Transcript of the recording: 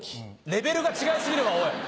レベルが違い過ぎるわおい。